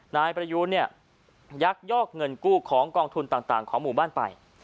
นายประยูนเนี่ยยักยอกเงินกู้ของกองทุนต่างของหมู่บ้านไป